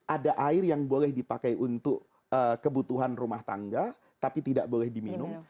ada air yang boleh dipakai untuk kebutuhan rumah tangga tapi tidak boleh diminum